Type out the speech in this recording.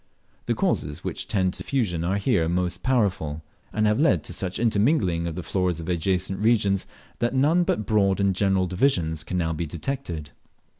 The causes which tend to diffusion are here most powerful, and have led to such intermingling of the floras of adjacent regions that none but broad and general divisions can now be detected.